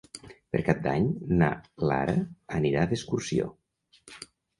Per Cap d'Any na Lara anirà d'excursió.